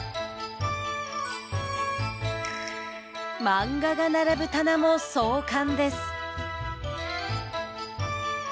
漫画が並ぶ棚も壮観です。